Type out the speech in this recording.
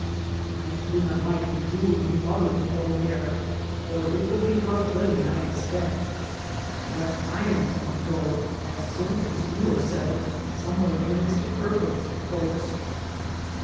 "I do not like for you and mother to go there, for it will be rough living I expect, but I intend to go as soon as you are settled somewhere near Mr. Kerfoofs folks."